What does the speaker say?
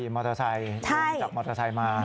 มอเตอร์ไซค์ลงจากมอเตอร์ไซค์มา